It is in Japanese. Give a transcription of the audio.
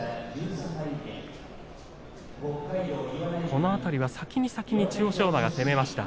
この辺りは先に先に千代翔馬が攻めました。